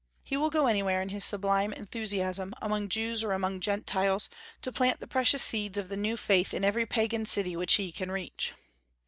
He will go anywhere in his sublime enthusiasm, among Jews or among Gentiles, to plant the precious seeds of the new faith in every pagan city which he can reach.